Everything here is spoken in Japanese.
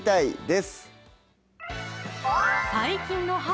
です